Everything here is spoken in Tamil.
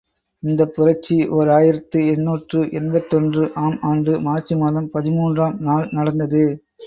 இந்தப் புரட்சி ஓர் ஆயிரத்து எண்ணூற்று எண்பத்தொன்று ஆம் ஆண்டு மார்ச் மாதம் பதிமூன்று ம் நாள் நடந்தது.